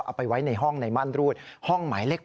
เอาไปไว้ในห้องในมั่นรูดห้องหมายเลข๘